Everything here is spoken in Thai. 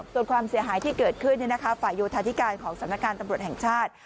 ส่วนความเสียหายที่เกิดขึ้นฝ่ายโยธาธิการของสำนักงานตำรวจแห่งชาติ